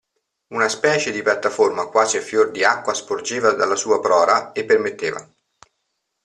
Una specie di piattaforma quasi a fior di acqua sporgeva dalla sua prora e permetteva.